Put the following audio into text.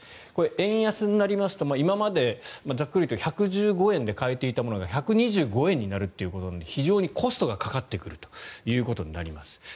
これは円安になりますと今までざっくり言うと１１５円で買えていたものが１２５円になるということで非常にコストがかかってくることになります。